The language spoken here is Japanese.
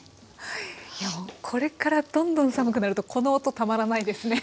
いやこれからどんどん寒くなるとこの音たまらないですね。